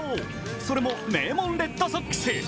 それも名門・レッドソックス。